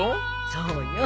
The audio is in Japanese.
そうよ。